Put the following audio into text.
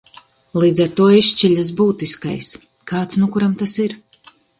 Līdz ar to izšķiļas būtiskais. Kāds nu kuram tas ir.